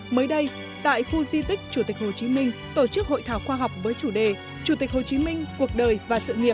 mới đây tại khu di tích chủ tịch hồ chí minh tổ chức hội thảo khoa học với chủ đề chủ tịch hồ chí minh cuộc đời và sự nghiệp